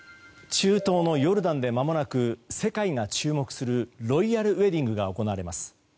中東のヨルダンでまもなく世界が注目するロイヤルウェディングが行われます。